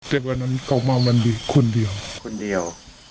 แต่วันนั้นเขามาวันดีคนเดียวคนเดียว